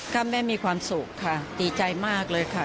ก็แม่มีความสุขค่ะดีใจมากเลยค่ะ